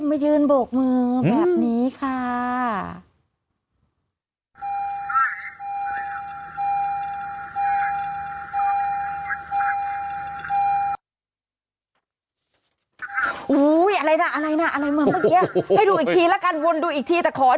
มายืนโบกมือแบบนี้ค่ะ